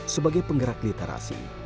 sebagai penggerak literasi